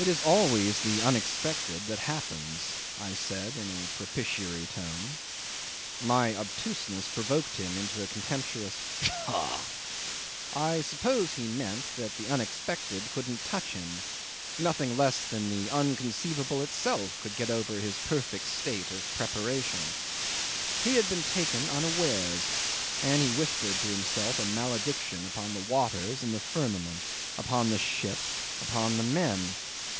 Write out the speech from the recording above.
'"It is always the unexpected that happens," I said in a propitiatory tone. My obtuseness provoked him into a contemptuous "Pshaw!" I suppose he meant that the unexpected couldn't touch him; nothing less than the unconceivable itself could get over his perfect state of preparation. He had been taken unawares and he whispered to himself a malediction upon the waters and the firmament, upon the ship, upon the men.